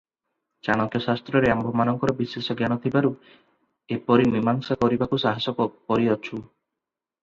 ଚାଣକ୍ୟ ଶାସ୍ତ୍ରରେ ଆମ୍ଭମାନଙ୍କର ବିଶେଷ ଜ୍ଞାନ ଥିବାରୁ ଏପରି ମୀମାଂସା କରିବାକୁ ସାହସ କରିଅଛୁଁ ।